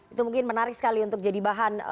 itu mungkin menarik sekali untuk jadi bahan